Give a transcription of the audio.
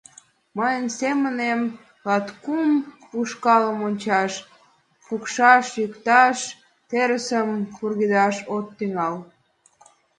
Мыйын семынем латкум ушкалым ончаш, пукшаш-йӱкташ, терысым пургедаш от тӱҥал.